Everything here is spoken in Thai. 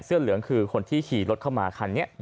เหลืองคือคนที่ขี่รถเข้ามาคันนี้